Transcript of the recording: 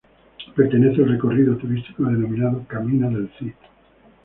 Pertenece al recorrido turístico denominado Camino del Cid.